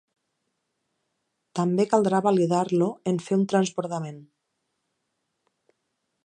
També caldrà validar-lo en fer un transbordament.